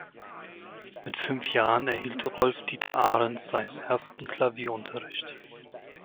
Mit fünf Jahren erhielt Rolf-Dieter Arens seinen ersten Klavierunterricht.